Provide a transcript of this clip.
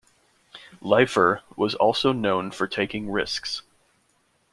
Leifer was also known for taking risks.